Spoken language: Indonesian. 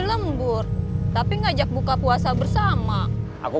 kamu mau ngasih buka puasa yatim piatu